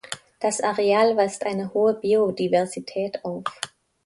Das Areal weist eine hohe Biodiversität auf.